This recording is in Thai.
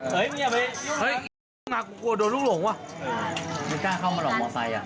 เฮ้ยไม่เก้าไม่ลงมัวใสอ่ะเค้าเข้ามาลงมัวใสอะ